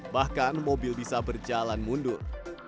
bahkan mobil bisa berjalan mundur